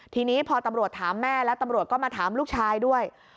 ทีนี้พอตำรวจถามแม่แล้วตำรวจก็มาถามลูกชายด้วย